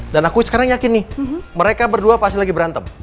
dan aku sekarang yakin nih mereka berdua pasti lagi berantem